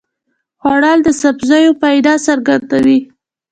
خوړل د سبزیو فایده څرګندوي